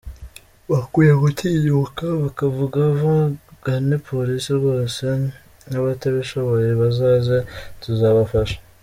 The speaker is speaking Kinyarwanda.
Bakwiye gutinyuka bakavuga, bagane Polisi rwose n’abatabishoboye bazaze tuzabafasha’.